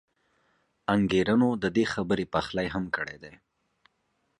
انګېرنو د دې خبرې پخلی هم کړی دی.